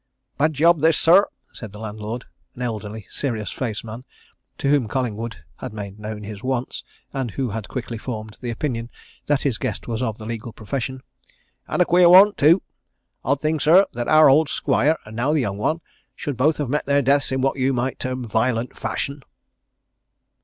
"Bad job, this, sir!" said the landlord, an elderly, serious faced man, to whom Collingwood had made known his wants, and who had quickly formed the opinion that his guest was of the legal profession. "And a queer one, too! Odd thing, sir, that our old squire, and now the young one, should both have met their deaths in what you might term violent fashion."